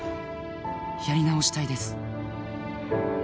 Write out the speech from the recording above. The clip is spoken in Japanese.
「やり直したいです」